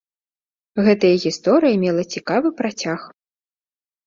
Гэтая гісторыя мела цікавы працяг.